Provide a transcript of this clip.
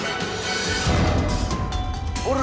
kian santang menanggung perhubungan